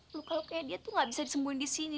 lu kalau kayak dia tuh gak bisa disembunyi disini